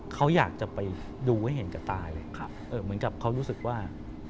เขาอยากจะไปดูให้เห็นกับตายเลยเหมือนกับเขารู้สึกว่า